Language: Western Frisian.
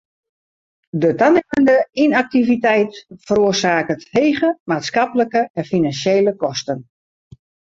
De tanimmende ynaktiviteit feroarsaket hege maatskiplike en finansjele kosten.